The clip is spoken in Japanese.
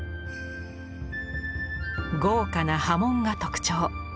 豪華な刃文が特徴。